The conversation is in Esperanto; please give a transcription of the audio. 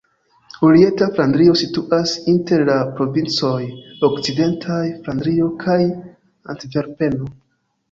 Orienta Flandrio situas inter la provincoj Okcidenta Flandrio kaj Antverpeno.